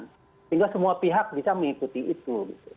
sehingga semua pihak bisa mengikuti itu